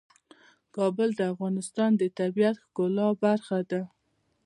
کابل د افغانستان د طبیعت د ښکلا برخه ده.